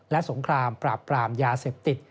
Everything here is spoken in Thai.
และสงครามปราบปรามยาเสพติด